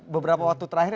beberapa waktu terakhir